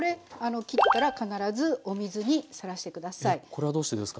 これはどうしてですか？